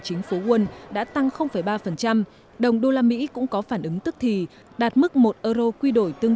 chính phủ world đã tăng ba đồng đô la mỹ cũng có phản ứng tức thì đạt mức một euro quy đổi tương